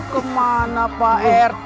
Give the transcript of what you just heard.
kemana pak rt